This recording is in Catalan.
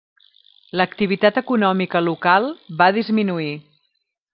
L'activitat econòmica local va disminuir.